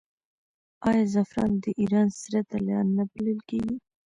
آیا زعفران د ایران سره طلا نه بلل کیږي؟